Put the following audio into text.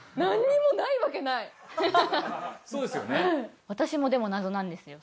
そうですよね。